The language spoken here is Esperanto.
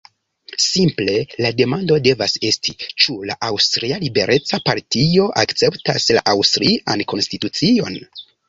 Simple la demando devas esti: ĉu la Aŭstria Libereca Partio akceptas la aŭstrian konstitucion?